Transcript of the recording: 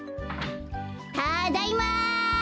たっだいま。